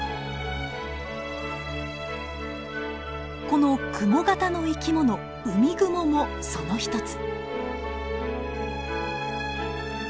このクモ型の生き物ウミグモもその一つ。